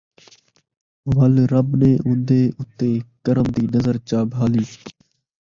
وَل رب نے اُون٘دے اُتے کرم دی نظر چا بھالی،